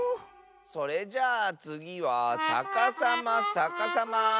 それじゃあつぎはさかさまさかさま！